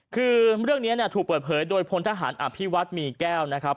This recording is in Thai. คือเรื่องนี้ถูกเปิดเผยโดยพลทหารอภิวัฒน์มีแก้วนะครับ